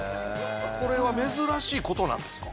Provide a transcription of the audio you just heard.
これは珍しい事なんですか？